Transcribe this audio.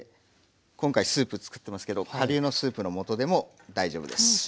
今回スープつくってますけど顆粒のスープの素でも大丈夫です。